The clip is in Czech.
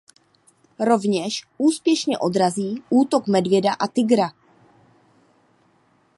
Rovněž úspěšně odrazí útok medvěda a tygra.